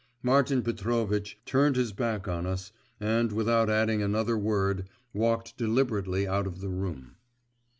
Martin Petrovitch turned his back on us, and, without adding another word, walked deliberately out of the room.